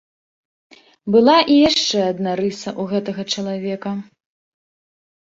Была і яшчэ адна рыса ў гэтага чалавека.